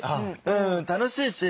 あ楽しい。